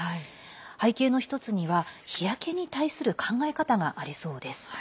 背景の１つには日焼けに対する考え方がありそうです。